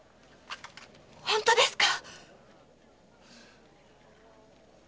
本当ですか！